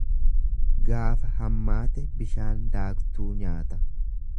Gaafa hammaate bishaan daaktuu nyaata.